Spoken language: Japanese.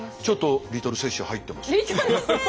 ちょっとリトル雪舟入ってます。